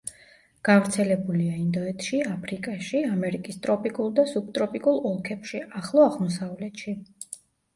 გავრცელებულია ინდოეთში, აფრიკაში, ამერიკის ტროპიკულ და სუბტროპიკულ ოლქებში, ახლო აღმოსავლეთში.